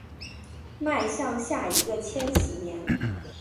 迈向下一个千禧年